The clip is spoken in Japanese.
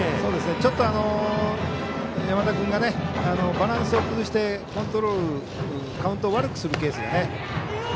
ちょっと山田君がバランスを崩してカウントを悪くするケースがね。